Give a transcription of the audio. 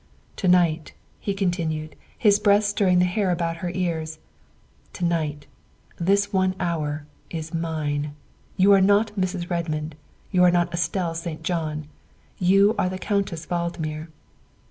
" To night," he continued, his breath stirring the hair about her ears, " to night, this one hour, is mine. You are not Mrs. Redmond, you are not Estelle St. John, you are the Countess Valdmir."